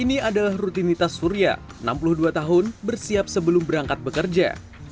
ini adalah rutinitas surya enam puluh dua tahun bersiap sebelum berangkat bekerja